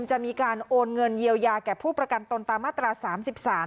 จะมีการโอนเงินเยียวยาแก่ผู้ประกันตนตามมาตราสามสิบสาม